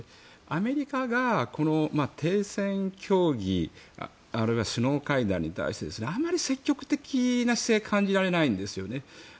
アメリカが停戦協議あるいは首脳会談に対してあまり積極的な姿勢を感じられないんですよね。